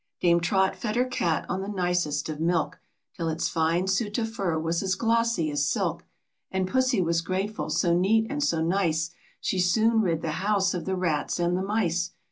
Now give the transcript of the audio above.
Dame Trot fed her cat on the nicest of milk, Till its fine suit of fur was as glossy as silk, And Pussy was grateful, so neat and so nice, She soon rid the house of the rats and the mice.